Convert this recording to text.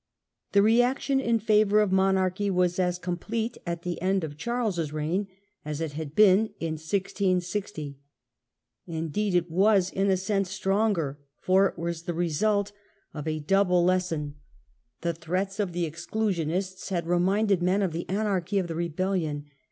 The reaction in favour of monarchy was as complete at the end of Charles' reign as it had been in 1660. Indeed it was, in a sense, g^^^^^^ stronger, for it was the result of a double *™' 88 THE NEW KING. lesson: the threats of the "Exclusionists" had reminded men of the anarchy of the Rebellion.